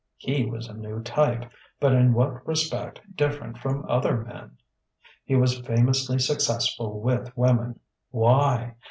He was a new type but in what respect different from other men? He was famously successful with women: why?